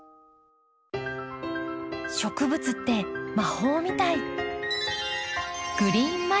植物って魔法みたい。